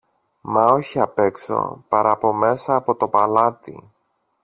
μα όχι απ' έξω, παρά από μέσα από το παλάτι.